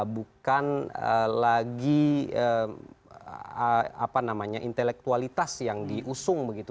bukan lagi intelektualitas yang diusung begitu